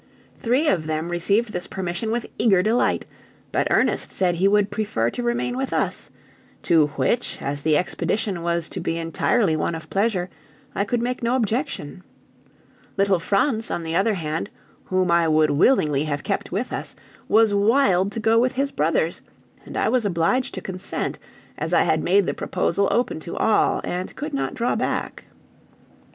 Three of them received this permission with eager delight, but Ernest said he would prefer to remain with us; to which, as the expedition was to be entirely one of pleasure, I could make no objection. Little Franz, on the other hand, whom I would willingly have kept with us, was wild to go with his brothers, and I was obliged to consent, as I had made the proposal open to all, and could not draw back.